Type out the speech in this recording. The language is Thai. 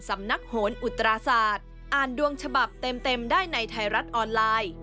สำนักโหนอุตราศาสตร์อ่านดวงฉบับเต็มได้ในไทยรัฐออนไลน์